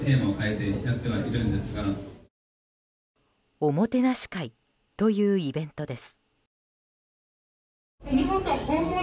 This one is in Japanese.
おもてなし会というイベントです。